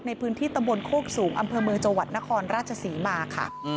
ในพื้นที่ตำบลโคกสูงอำเภอเมืองจังหวัดนครราชศรีมาค่ะ